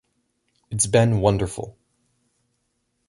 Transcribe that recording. It's been wonderful.